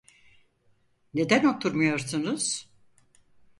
Neden oturmuyorsunuz?